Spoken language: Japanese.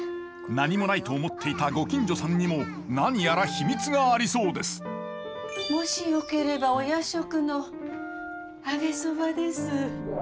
何もないと思っていたご近所さんにも何やら秘密がありそうですもしよければお夜食の揚げそばです。